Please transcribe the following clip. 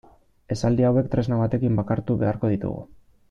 Esaldi hauek tresna batekin bakartu beharko ditugu.